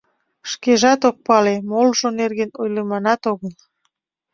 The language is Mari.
Шкежат ок пале, молыжо нерген ойлыманат огыл...